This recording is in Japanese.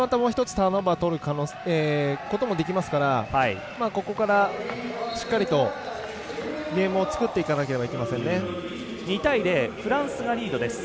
ターンオーバーとることもできますからここから、しっかりとゲームを作っていかないといけないですね。